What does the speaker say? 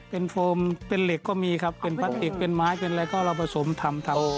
เป็นโฟมเป็นเหล็กก็มีครับเป็นพลาสติกเป็นไม้เป็นอะไรก็เราผสมทำทำ